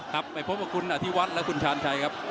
ครับไปพบกับคุณอธิวัฒน์และคุณชาญชัยครับ